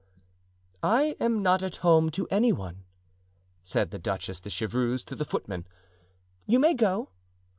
"I am not at home to any one," said the Duchess de Chevreuse to the footman. "You may go."